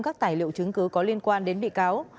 các tài liệu chứng cứ có liên quan đến bị cáo